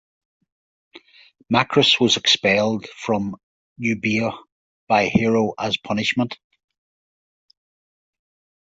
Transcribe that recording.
Macris was expelled from Euboea by Hera as punishment.